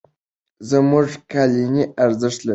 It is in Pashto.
زموږ قالینې ارزښت لري.